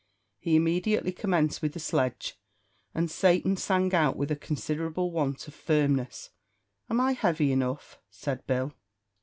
He immediately commenced with the sledge, and Satan sang out with a considerable want of firmness. "Am I heavy enough!" said Bill.